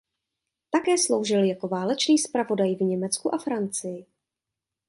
Také sloužil jako válečný zpravodaj v Německu a Francii.